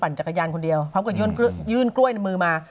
จักรยานคนเดียวพร้อมกับยื่นกล้วยในมือมา